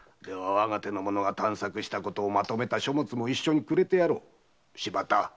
我が手の者が探索したことをまとめた書物もくれてやろう。